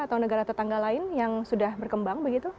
atau negara tetangga lain yang sudah berkembang begitu